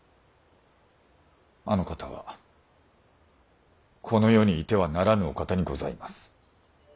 あの方はこの世にいてはならぬお方にございます。